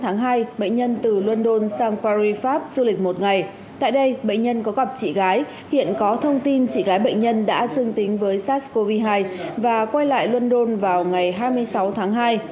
theo thông tin chỉ gái bệnh nhân đã dương tính với sars cov hai và quay lại london vào ngày hai mươi sáu tháng hai